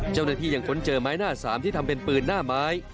เจ้าหน้าที่ยังค้นเจอไม้หน้าสามที่ทำเป็นปืนหน้าไม้